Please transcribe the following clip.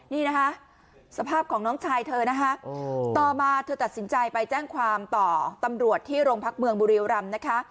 นี่นะคะสภาพของน้องชายเธอนะคะต่อมาเธอตัดสินใจไปแจ้งความต่อตำรวจที่โรงพักเมืองบุรีรำนะคะ